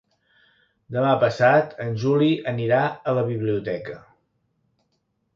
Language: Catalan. Demà passat en Juli anirà a la biblioteca.